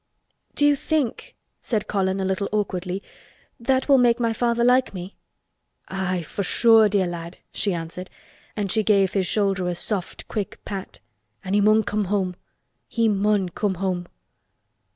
"Do you think," said Colin a little awkwardly, "that will make my father like me?" "Aye, for sure, dear lad," she answered and she gave his shoulder a soft quick pat. "He mun come home—he mun come home."